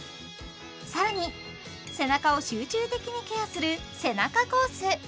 更に背中を集中的にケアする背中コース